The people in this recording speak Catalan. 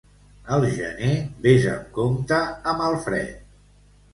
Al gener ves amb compte amb el fred.